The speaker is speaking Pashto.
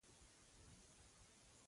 د ولس رایه د باور بنسټ دی.